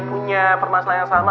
punya permasalahan yang sama